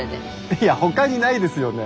いやほかにないですよね？